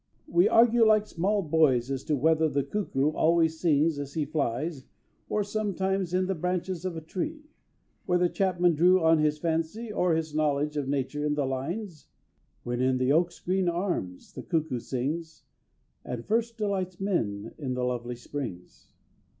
We argue like small boys as to whether the cuckoo always sings as he flies or sometimes in the branches of a tree whether Chapman drew on his fancy or his knowledge of nature in the lines: When in the oak's green arms the cuckoo sings, And first delights men in the lovely springs.